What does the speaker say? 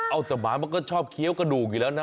เอาแต่หมามันก็ชอบเคี้ยวกระดูกอยู่แล้วนะ